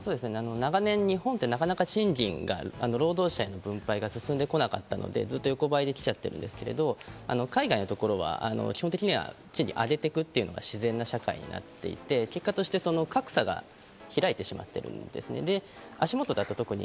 長年、日本って賃金が労働者への分配が進んでこなかったので、ずっと横ばいできちゃってるんですけど、海外のところは基本的には賃金を上げていくというのが自然な社会になっていて、結果的に格差が開いてしまっているんですね。